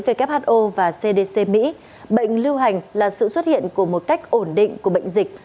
who và cdc mỹ bệnh lưu hành là sự xuất hiện của một cách ổn định của bệnh dịch